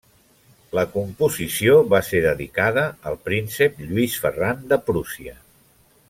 La composició va ser dedicada al príncep Lluís Ferran de Prússia.